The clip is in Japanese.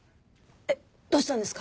えっどうしたんですか？